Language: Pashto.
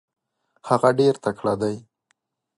هغه ډېر تکړه دی.